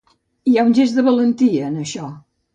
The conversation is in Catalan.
Hi ha un gest de valentia, en això.